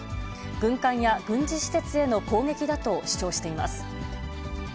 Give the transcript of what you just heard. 軍艦や軍事施設への攻撃だと主張しています。